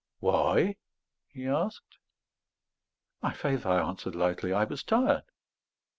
"Why?" he asked. "My faith," I answered lightly, "I was tired."